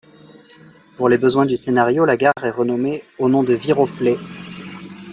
Pour les besoins du scénario, la gare est renommée au nom de Viroflay.